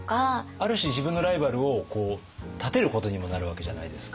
ある種自分のライバルを立てることにもなるわけじゃないですか。